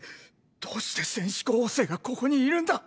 どうして戦士候補生がここにいるんだ？